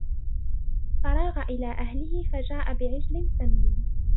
فَراغَ إِلى أَهلِهِ فَجاءَ بِعِجلٍ سَمينٍ